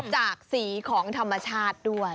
จากสีของธรรมชาติด้วย